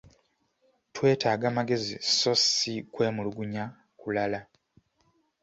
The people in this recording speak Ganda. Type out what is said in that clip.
Twetaaga magezi so si kwemulugunya kulala.